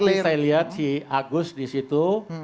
tapi saya lihat si agus di situ